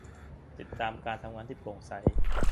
ติดตามการทำงานที่โปร่งใส